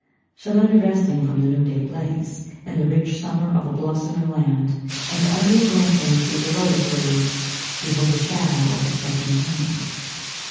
Shall I be resting from the noonday blaze, In the rich summer of a blossoming land, And idly glancing through the lotus leaves, Behold the shadow of his beckoning hand?